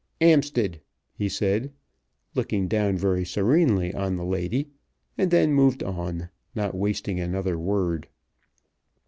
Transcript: "'Ampstead!" he said, looking down very serenely on the lady, and then moved on, not wasting another word.